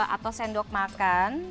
atau sendok makan